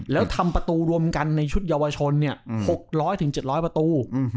แล้วทำประตูรวมกันในชุดเยาวชน๖๐๐๗๐๐ประตู